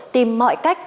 tìm mọi cách